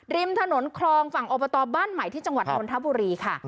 ริมถนนคลองฝั่งอบตบ้านใหม่ที่จังหวัดนนทบุรีค่ะ